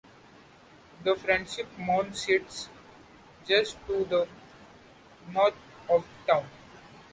The Friendship Mound sits just to the north of town.